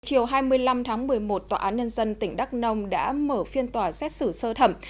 chiều hai mươi năm tháng một mươi một tòa án nhân dân tỉnh đắk nông đã mở phiên tòa xét xử sơ thẩm